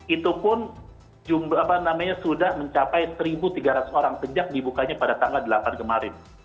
itu pun sudah mencapai satu tiga ratus orang sejak dibukanya pada tanggal delapan kemarin